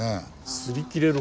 すり切れるほど。